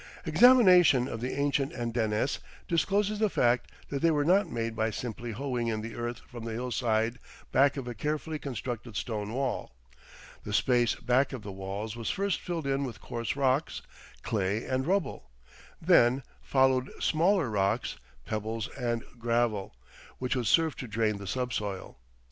Examination of the ancient andenes discloses the fact that they were not made by simply hoeing in the earth from the hillside back of a carefully constructed stone wall. The space back of the walls was first filled in with coarse rocks, clay, and rubble; then followed smaller rocks, pebbles, and gravel, which would serve to drain the subsoil.